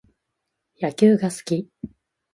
野球が好き